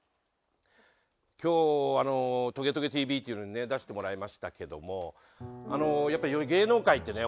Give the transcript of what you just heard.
今日『トゲトゲＴＶ』というのにね出してもらいましたけどもやっぱり芸能界ってね